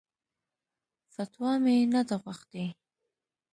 فتوا مې نه ده غوښتې.